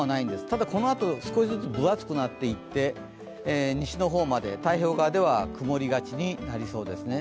ただこのあと少しずつ分厚くなっていって西の方まで、太平洋側では曇りがちになりそうですね。